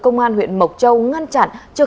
công an huyện mộc châu ngăn chặn trước